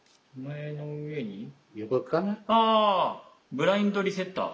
ブラインドリセッター。